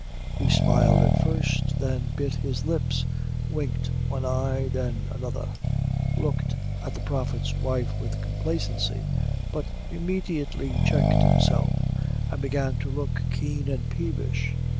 He smiled at first, then bit his lips, winked one eye, then another; looked at the prophet's wife with complacency, but immediately checked himself, and began to look keen and peevish.